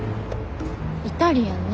イタリアンね。